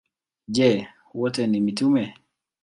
Je, wote ni mitume?